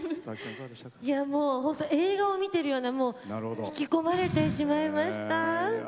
映画を見てるような引き込まれてしまいました。